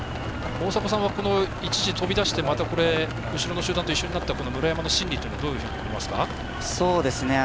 大迫さんは一時飛び出して後ろの集団と一緒になった村山の心理は、どう見ますか？